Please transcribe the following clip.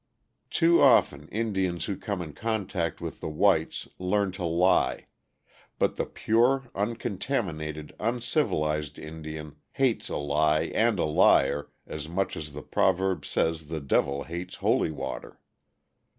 Too often Indians who come in contact with the whites learn to lie, but the pure, uncontaminated, uncivilized Indian hates a lie and a liar as much as the proverb says the devil hates holy water.